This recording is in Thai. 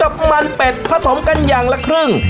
กับมันเป็ดผสมกันอย่างละครึ่ง